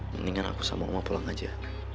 mendingan aku sama emak pulang aja